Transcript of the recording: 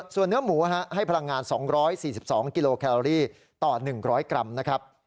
ส่วนเนื้อหมูให้พลังงาน๒๔๒กิโลแคลอรี่ต่อ๑๐๐กรัมนะครับ